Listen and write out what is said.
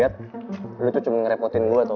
yang lu kadang kadang agak sulit sih